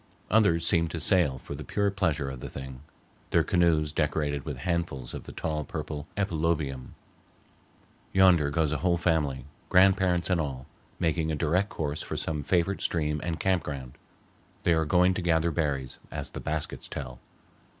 Others seem to sail for the pure pleasure of the thing, their canoes decorated with handfuls of the tall purple epilobium. [Illustration: Indian Canoes.] Yonder goes a whole family, grandparents and all, making a direct course for some favorite stream and camp ground. They are going to gather berries, as the baskets tell.